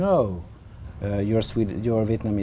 lớn hơn việt nam